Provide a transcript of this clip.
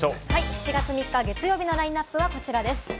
７月３日、月曜日のラインナップはこちらです。